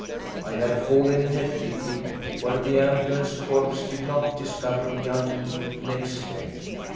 I had fallen in a thicket, where the ambulance corps did not discover me until next day.